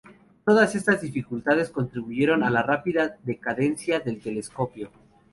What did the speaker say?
Todos estas dificultades contribuyeron a la rápida decadencia del telescopio.